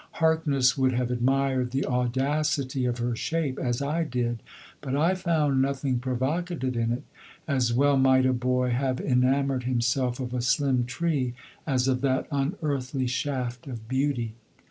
Harkness would have admired the audacity of her shape, as I did; but I found nothing provocative in it. As well might a boy have enamoured himself of a slim tree as of that unearthly shaft of beauty.